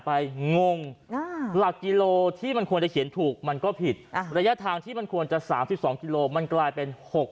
งงหลักกิโลที่มันควรจะเขียนถูกมันก็ผิดระยะทางที่มันควรจะ๓๒กิโลมันกลายเป็น๖๐